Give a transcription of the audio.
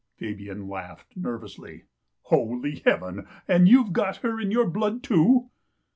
Fabian laughed nervously. " Holy heaven, and you've got her in your blood, too